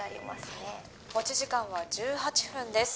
「持ち時間は１８分です。